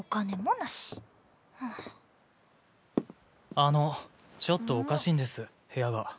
あのちょっとおかしいんです部屋が。